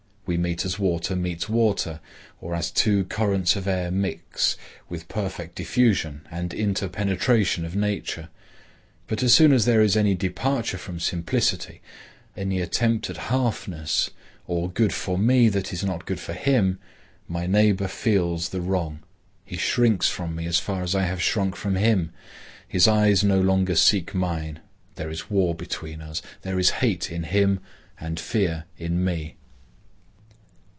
We meet as water meets water, or as two currents of air mix, with perfect diffusion and interpenetration of nature. But as soon as there is any departure from simplicity, and attempt at halfness, or good for me that is not good for him, my neighbor feels the wrong; he shrinks from me as far as I have shrunk from him; his eyes no longer seek mine; there is war between us; there is hate in him and fear in me.